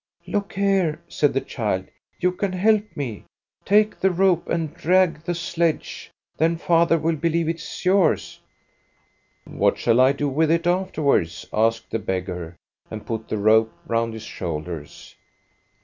" Look here," said the child, " you can help me. Take the rope and drag the sledge ; then father will believe it is yours." " What shall I do with it afterwards ?" asked the beggar, and put the rope round his shoulders.